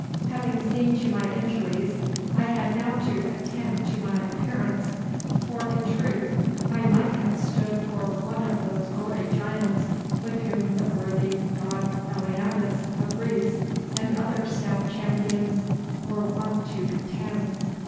Having seen to my injuries I had now to attend to my appearance, for in truth I might have stood for one of those gory giants with whom the worthy Don Bellianis of Greece and other stout champions were wont to contend.